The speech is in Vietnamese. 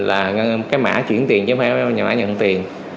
là cái mã chuyển tiền chứ không phải là mã nhận tiền